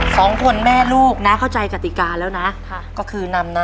สองคนแม่ลูกน่าเข้าใจกติกาแล้วนะ